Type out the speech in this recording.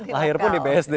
lahir pun di bsd